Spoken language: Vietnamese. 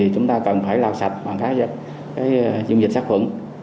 chúng ta cần phải làm sạch bằng các dung dịch sát khuẩn